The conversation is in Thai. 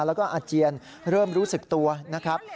แล้วก็อาเจียนเริ่มรู้สึกตัวนะครับ